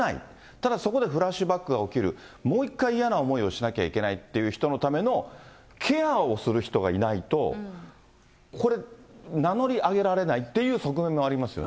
ただ、そこでフラッシュバックが起きる、もう一回嫌な思いをしなきゃいけないっていう人のケアをする人がいないと、これ、名乗り上げられないっていう側面もありますよね。